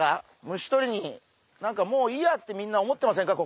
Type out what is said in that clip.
「虫とりに何かもういいや」ってみんな思ってませんか？